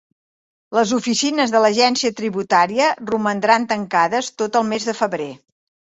Les oficines de l'Agència Tributària romandran tancades tot el mes de febrer.